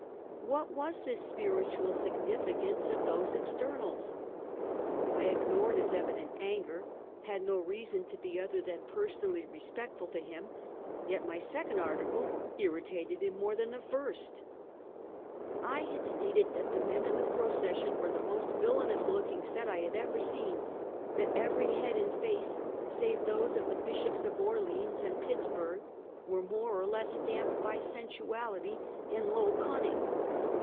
What was the spir itual significance of those externals? I ignored his evident anger; had no reason to be other than person ally respectful to him, yet m^' second article irritated him more than the first I had stated that the men in the procession were the most villainous looking set I had ever seen ; that every head and face save those of the Bishops of Orleans and Pittsburg, were more or less stamped by sen suality and low cunning.